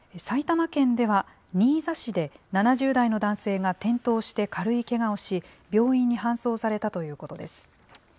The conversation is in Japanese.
埼玉県では新座市で７０代の男性が転倒して軽いけがをし、病院に搬送されたということです。